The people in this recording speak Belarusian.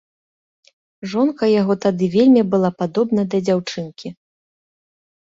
Жонка яго тады вельмі была падобна да дзяўчынкі.